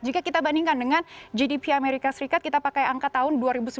jika kita bandingkan dengan gdp amerika serikat kita pakai angka tahun dua ribu sembilan belas